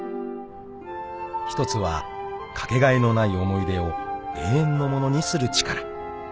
［１つはかけがえのない思い出を永遠のものにする力］